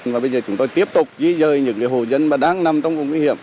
và bây giờ chúng tôi tiếp tục di rời những hồ dân đang nằm trong vùng nguy hiểm